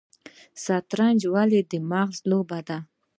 شطرنج ولې د مغز لوبه ده؟